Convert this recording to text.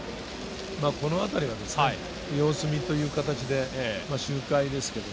このあたりは様子見という形で周回ですけど。